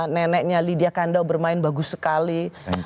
neneknya lydia kanda bermain bagus sekali